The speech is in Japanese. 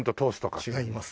違います。